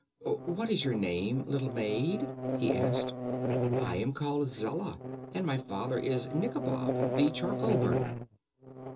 "What is your name, little maid?" he asked. "I am called Zella, and my father is Nikobob, the charcoal burner."